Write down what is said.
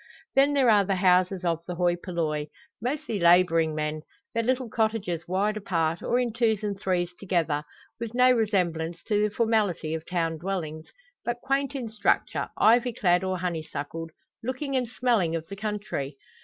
Then there are the houses of the hoi polloi, mostly labouring men their little cottages wide apart, or in twos and threes together, with no resemblance to the formality of town dwellings, but quaint in structure, ivy clad or honeysuckled, looking and smelling of the country.